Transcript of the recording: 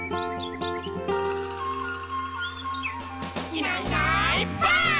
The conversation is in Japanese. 「いないいないばあっ！」